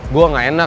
gue gak enak